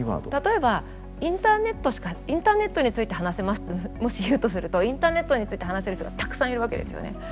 例えばインターネットについて話せますってもし言うとするとインターネットについて話せる人がたくさんいるわけですよね。